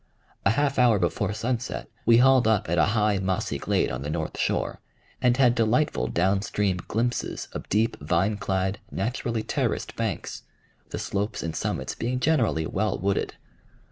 A half hour before sunset we hauled up at a high mossy glade on the north shore, and had delightful down stream glimpses of deep vine clad, naturally terraced banks, the slopes and summits being generally well wooded.